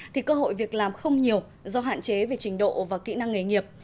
thì cơ hội việc làm không nhiều do hạn chế về trình độ và kỹ năng nghề nghiệp